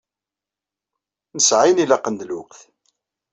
Nesɛa ayen ilaqen d lweqt.